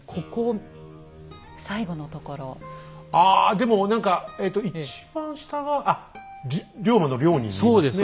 でも何かえと一番下があっ龍馬の「龍」に見えますね。